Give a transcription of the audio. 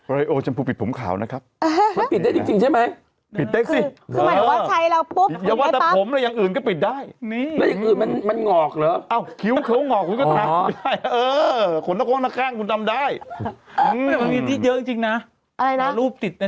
ไลโอชัมพูปิดผมขาวนะครับมันปิดได้จริงใช่ไหมปิดได้สิมีแต๊กสิคือหมายถึงว่าใครเราร่อกันแล้วปุ๊บว่าแต่ผมอะไรอย่างอื่นก็ปิดได้